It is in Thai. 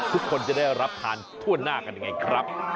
ทุกคนจะได้รับทานทั่วหน้ากันยังไงครับ